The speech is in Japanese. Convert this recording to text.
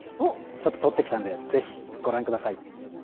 ちょっと撮ってきたので是非ご覧ください。